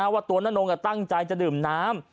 ว่าตัวนงตั้งใจจะดื่มน้ำ